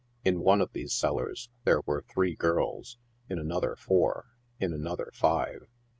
In one of these cellars there were three girls, in another four, in another five.